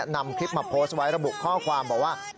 นำคลิปมาโพสต์ไว้ระบุข้อความบอกว่า